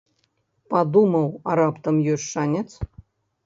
Падумаў, а раптам ёсць шанец.